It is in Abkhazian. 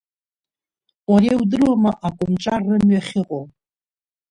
Уара иудыруама акомҿар рымҩа ахьыҟоу?